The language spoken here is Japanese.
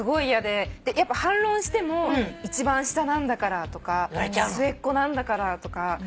やっぱ反論しても一番下なんだからとか末っ子なんだからとか。